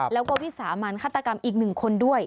แล้วก็วิสามันฆาตกรรมอีก๑คนด้วย